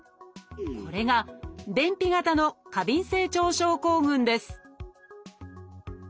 これが便秘型の過敏性腸症候群です